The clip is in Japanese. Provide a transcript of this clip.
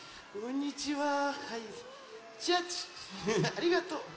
ありがとう。